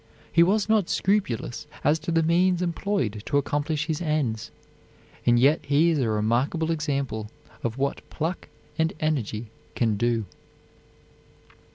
He was not scrupulous as to the means employed to accomplish his ends, yet he is a remarkable example of what pluck and energy can do.